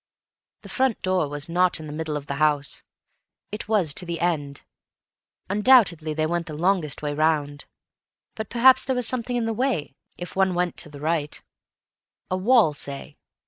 The front door was not in the middle of the house, it was to the end. Undoubtedly they went the longest way round. But perhaps there was something in the way, if one went to the right—a wall, say.